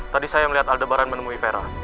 tadi saya melihat aldebaran menemui vera